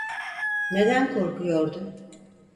Neden korkuyordu.